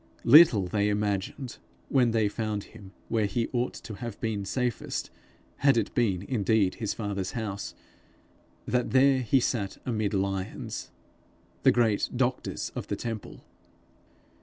Little they imagined, when they found him where he ought to have been safest had it been indeed his father's house, that there he sat amid lions the great doctors of the temple!